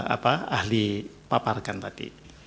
apa ahli paparkan tadi